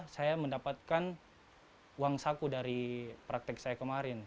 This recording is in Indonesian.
saya mendapatkan uang saku dari praktek saya kemarin